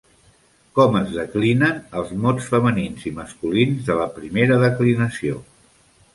Com es declinen els mots femenins i masculins de la primera declinació?